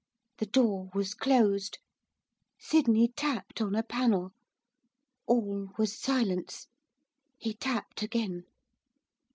The door was closed. Sydney tapped on a panel. All was silence. He tapped again.